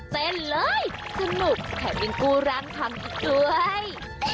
เต้นเลยสนุกแทบเป็นกูรังทำอีกด้วย